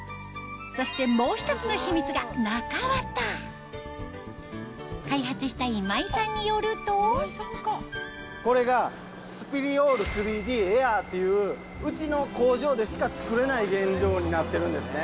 そしてもう１つの秘密が開発した今井さんによるとこれが。っていううちの工場でしか作れない原料になってるんですね。